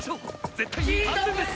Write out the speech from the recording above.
絶対に安全です！